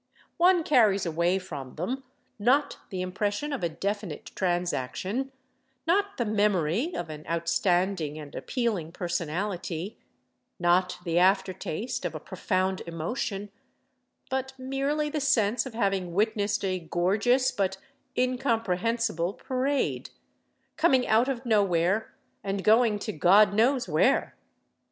One carries away from them, not the impression of a definite transaction, not the memory of an outstanding and appealing personality, not the after taste of a profound emotion, but merely the sense of having witnessed a gorgeous but incomprehensible parade, coming out of nowhere and going to God knows where.